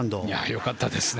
よかったですね。